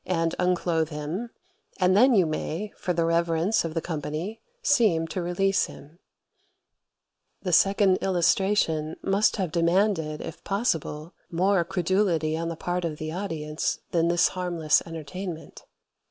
and unclothe him, and then you may (for reverence of the companie) seeme to release him." [Footnote 1: Scott, p. 339.] The second illustration must have demanded, if possible, more credulity on the part of the audience than this harmless entertainment.